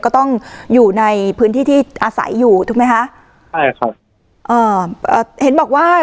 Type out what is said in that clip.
ก็ต้องอยู่ในพื้นที่ที่อาศัยอยู่ถูกไหมคะใช่ครับเอ่อเอ่อเห็นบอกว่า